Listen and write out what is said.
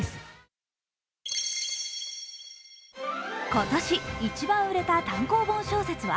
今年、一番売れた単行本小説は？